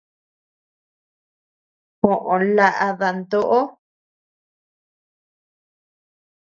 Joo laʼa dantoʼo.